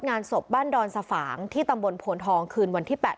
งานศพบ้านดอนสฝางที่ตำบลโพนทองคืนวันที่๘